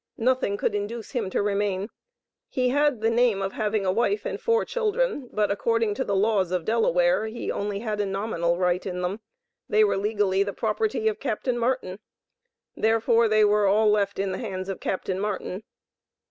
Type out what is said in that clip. Nothing could induce him to remain. He had the name of having a wife and four children, but according to the Laws of Delaware, he only had a nominal right in them. They were "legally the property of Capt. Martin." Therefore they were all left in the hands of Capt. Martin.